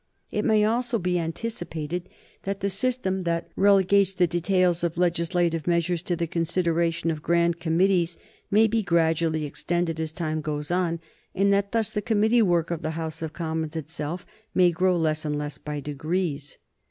It may also be anticipated that the system that relegates the details of legislative measures to the consideration of Grand Committees may be gradually extended as time goes on, and that thus the committee work of the House of Commons itself may grow less and less by degrees.